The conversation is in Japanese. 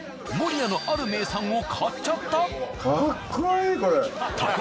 守谷のある名産を買っちゃった？